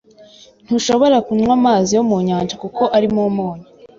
Ntushobora kunywa amazi yo mu nyanja kuko arimo umunyu.